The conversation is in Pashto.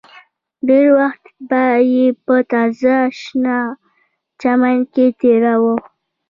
ډېر وخت به یې په تازه شنه چمن کې تېراوه